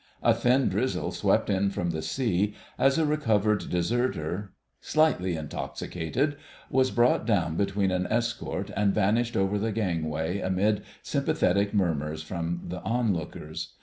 A thin drizzle swept in from the sea, as a recovered deserter, slightly intoxicated, was brought down between an escort and vanished over the gangway amid sympathetic murmurs from the onlookers.